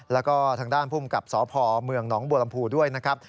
แล้วก็ทางด้านภูมิกับสพเมืองหนองบัวลำพูด้วยนะครับ